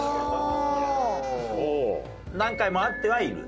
何回も会ってはいる？